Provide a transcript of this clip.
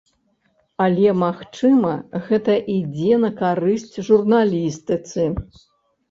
Але магчыма, гэта ідзе на карысць журналістыцы?